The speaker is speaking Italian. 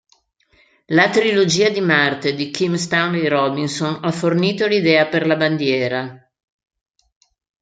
La Trilogia di Marte di Kim Stanley Robinson ha fornito l'idea per la bandiera.